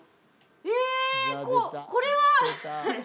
えこれは？